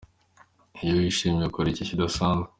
Iyo wishimye ukora iki kidasanzwe?.